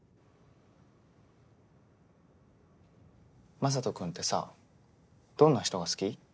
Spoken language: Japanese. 雅人君ってさどんな人が好き？